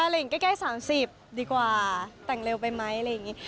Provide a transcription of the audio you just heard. เรียกใกล้๓๐ดีกว่าแต่งเร็วไปไหมอะไรอย่างนี้